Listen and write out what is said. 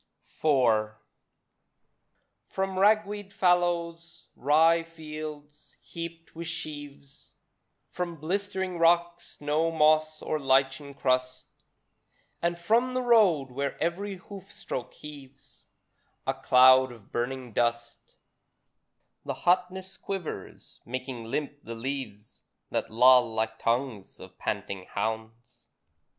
IV From ragweed fallows, rye fields, heaped with sheaves, From blistering rocks, no moss or lichens crust, And from the road, where every hoof stroke heaves A cloud of burning dust, The hotness quivers, making limp the leaves, That loll like tongues of panting hounds.